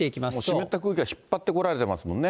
湿った空気が引っ張ってこられてますもんね。